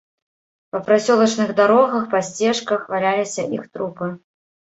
Па прасёлачных дарогах, па сцежках валяліся іх трупы.